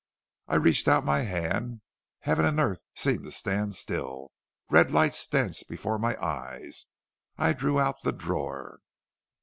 "I reached out my hand; heaven and earth seemed to stand still; red lights danced before my eyes; I drew out the drawer.